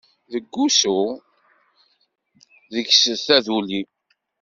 Deg-s usu, deg-s taduli.